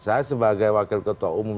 saya sebagai wakil ketua umum